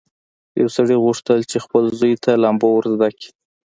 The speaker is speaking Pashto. یو سړي غوښتل چې خپل زوی ته لامبو ور زده کړي.